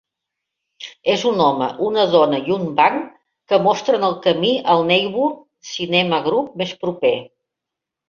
És un home, una dona i un banc que mostren el camí al Neighborhood Cinema Group més proper.